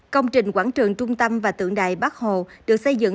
công trình quảng trường trung tâm và tượng đài bắc hồ được xây dựng